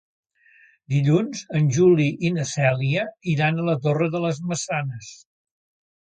Dilluns en Juli i na Cèlia iran a la Torre de les Maçanes.